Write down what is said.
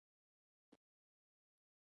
• باران د شنو ګلونو وده ښه کوي.